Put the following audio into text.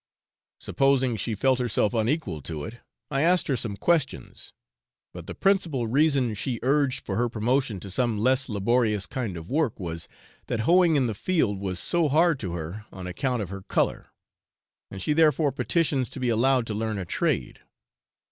Supposing she felt herself unequal to it, I asked her some questions, but the principal reason she urged for her promotion to some less laborious kind of work was, that hoeing in the field was so hard to her on 'account of her colour,' and she therefore petitions to be allowed to learn a trade.